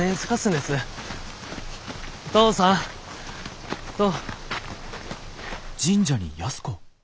父さん！と。